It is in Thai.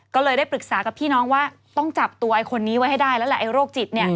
ก็เลยได้ปรึกษากับพี่น้องว่าต้องจับตัวไอ้คนนี้ไว้ให้ได้แล้วแหละไอ้โรคจิต